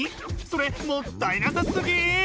それもったいなさすぎ！